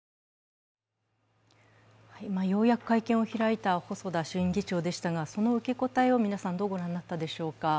ようやく会見を開いた細田衆院議長でしたがその受け答えを皆さん、どうご覧になったでしょうか。